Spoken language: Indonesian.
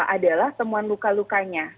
adalah temuan luka lukanya